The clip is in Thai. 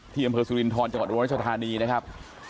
ที่อำเภอสุรินทรจังหวัดโรยชาวธานีนะครับ